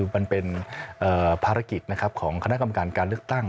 มันเป็นภารกิจของคณะกรรมการการเลือกตั้ง